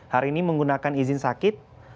hari ini menggunakan izin sakit